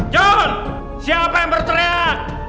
john siapa yang berteriak